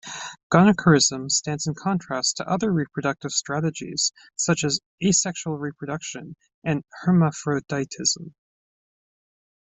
Gonochorism stands in contrast to other reproductive strategies such as asexual reproduction and hermaphroditism.